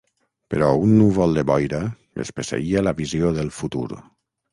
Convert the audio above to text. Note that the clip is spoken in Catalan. Però un núvol de boira espesseïa la visió del futur.